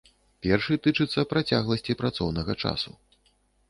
Першы тычыцца працягласці працоўнага часу.